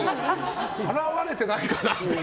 払われてないかなって。